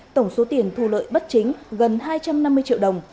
tổng số tiền thu lợi bất chính gần hai trăm năm mươi triệu đồng